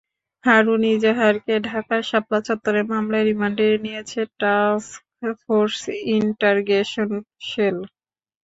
হারুন ইজাহারকে ঢাকার শাপলা চত্বরের মামলায় রিমান্ডে নিয়েছে টাস্কফোর্স ইন্টারগেশন শেল।